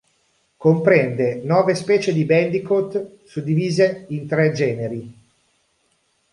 Comprende nove specie di bandicoot suddivise in tre generi.